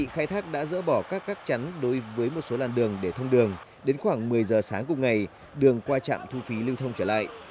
khai thác đã dỡ bỏ các gác chắn đối với một số làn đường để thông đường đến khoảng một mươi giờ sáng cùng ngày đường qua trạm thu phí lưu thông trở lại